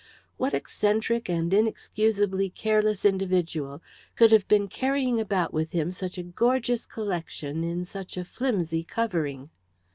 What eccentric and inexcusably careless individual could have been carrying about with him such a gorgeous collection in such a flimsy covering?